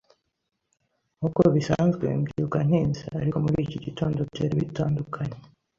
Nkuko bisanzwe, mbyuka ntinze, ariko muri iki gitondo byari bitandukanye.